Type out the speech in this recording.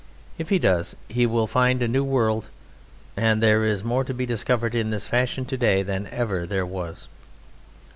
If he does, he will find a new world; and there is more to be discovered in this fashion to day than ever there was.